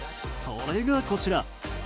それが、こちら。